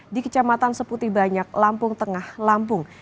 di kecamatan seputi banyak lampung tengah lampung